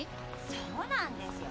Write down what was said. そうなんですよ。